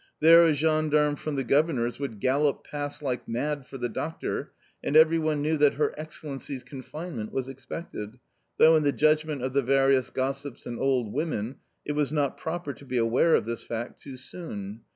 There a gendarme from the governor's would gallop past like mad for the doctor, and every one knew that Her Excellency's confinement was expected, though in the judgment of the various gossips and old women it was not proper to be aware of this fact too soon.